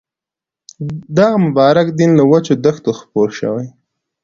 دغه مبارک دین له وچو دښتو خپور شوی.